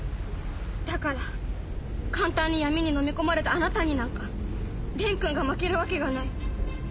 だから簡単に闇にのみ込まれたあなたになんか蓮君が負けるわけがない。